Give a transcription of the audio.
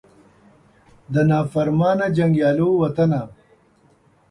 د نافرمانه جنګیالو وطنه